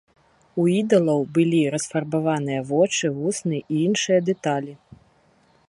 У ідалаў былі расфарбаваныя вочы, вусны і іншыя дэталі.